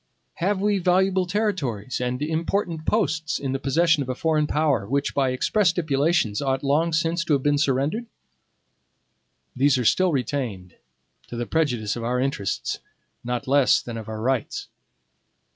Have we valuable territories and important posts in the possession of a foreign power which, by express stipulations, ought long since to have been surrendered? These are still retained, to the prejudice of our interests, not less than of our rights.